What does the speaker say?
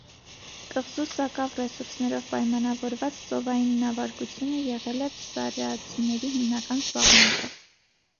Կղզու սակավ ռեսուրսներով պայմանավորված ծովային նավարկությունը եղել է փսարացիների հիմնական զբաղմունքը։